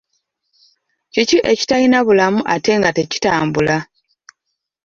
Kiki ekitalina bulamu ate nga tekitambula?